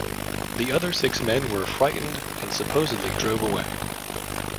The other six men were frightened and supposedly drove away.